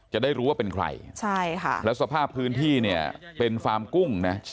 จะได้รู้ว่าเป็นใครใช่ค่ะแล้วสภาพพื้นที่เนี่ยเป็นฟาร์มกุ้งนะ